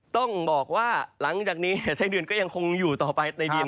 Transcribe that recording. ต้องบอกว่าหลังจากนี้ไส้เดือนก็ยังคงอยู่ต่อไปในเดือน